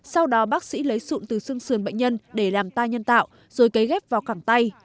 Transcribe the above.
sau đó bác sĩ lấy sụn từ xương sườn bệnh nhân để làm tai nhân tạo rồi cấy ghép vào cẳng tay